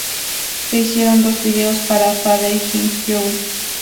Se hicieron dos vídeos para "Fade Into You".